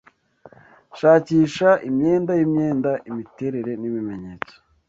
Shakisha imyenda yimyenda, Imiterere nibimenyetso